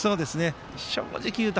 正直言うと